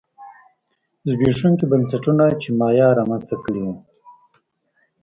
زبېښونکي بنسټونه چې مایا رامنځته کړي وو